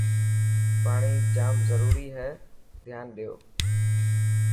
پاڻي جام ضروري هي ڌيان ڏيو.